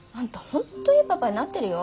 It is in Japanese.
ホントいいパパになってるよ